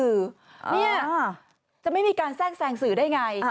เนี่ยจะไม่มีการแทรกแซงสื่อได้ไง